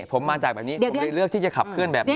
ผมมาจากแบบนี้ผมเลยเลือกที่จะขับเคลื่อนแบบนี้